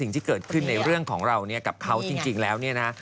ที่เกิดขึ้นในเรื่องของเราเนี่ยกับเขาจริงแล้วเนี่ยนะ